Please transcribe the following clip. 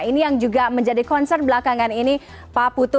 ini yang juga menjadi konser belakangan ini pak putu